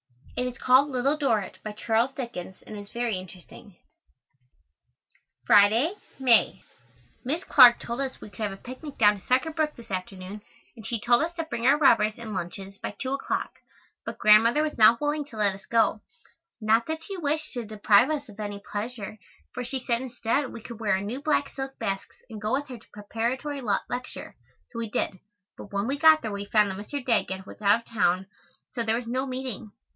It is called Little Dorritt, by Charles Dickens, and is very interesting. Friday, May. Miss Clark told us we could have a picnic down to Sucker Brook this afternoon and she told us to bring our rubbers and lunches by two o'clock; but Grandmother was not willing to let us go; not that she wished to deprive us of any pleasure for she said instead we could wear our new black silk basks and go with her to Preparatory lecture, so we did, but when we got there we found that Mr. Daggett was out of town so there was no meeting.